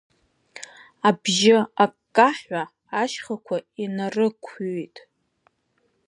Абжьы аккаҳәа ашьхақәа инарықәҩит.